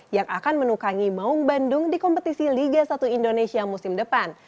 yang akan menukangi maung bandung di kompetisi liga satu indonesia musim depan